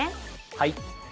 はい。